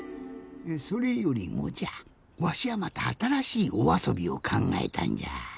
それよりもじゃわしはまたあたらしいおあそびをかんがえたんじゃ。